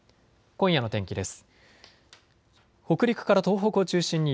今夜の天気です。